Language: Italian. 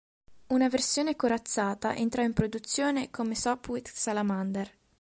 Una versione corazzata entrò in produzione come Sopwith Salamander.